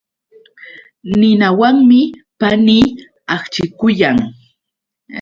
Ninawanmi panii akchikuyan.